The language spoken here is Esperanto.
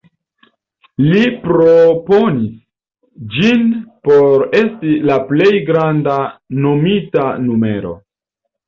Li proponis ĝin por esti la plej granda nomita numero.